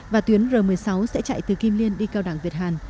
và tuyến r một mươi sáu sẽ chạy từ kim liên đi cao đẳng việt hàn